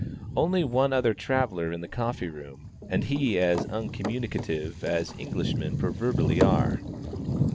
Only one other traveller in the coffee room, and he as uncommunicative as Englishmen proverbially are.